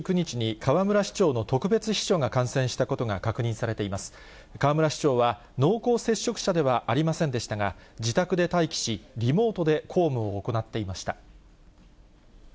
河村市長は濃厚接触者ではありませんでしたが、自宅で待機し、リモートで公務を行っていました。